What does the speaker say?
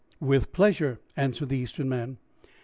"With pleasure," answered the Eastern man.